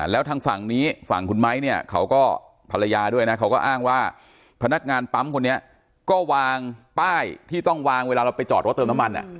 แล้วทางฝั่งนี้ฝั่งคุณไม้เนี่ยเขาก็ภรรยาด้วยนะเขาก็อ้างว่าพนักงานปั๊มคนนี้ก็วางป้ายที่ต้องวางเวลาเราไปจอดรถเติมน้ำมัน